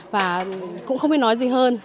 và cũng không biết nói gì hơn